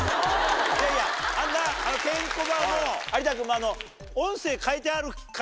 いやいやあのなケンコバも有田君もあの。